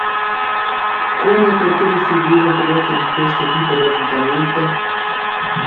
Come e perché distribuire un prodotto di questo tipo gratuitamente?